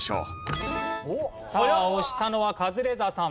さあ押したのはカズレーザーさん。